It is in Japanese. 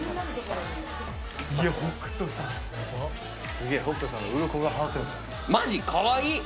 すげえ北斗さんの・マジかわいい！